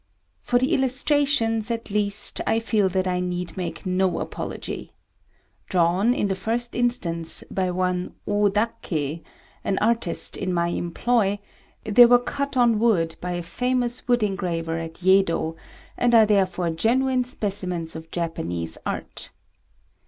For the illustrations, at least, I feel that I need make no apology. Drawn, in the first instance, by one Ôdaké, an artist in my employ, they were cut on wood by a famous wood engraver at Yedo, and are therefore genuine specimens of Japanese art.